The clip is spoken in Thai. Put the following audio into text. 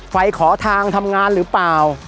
ไปขอทางทำงานหรือเปล่า